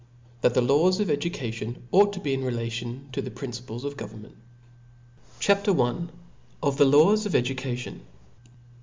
iHoat the Laws of Education ought to be relative to the Principles of Go vernment* C H A P. I. Of the Laivs of Education.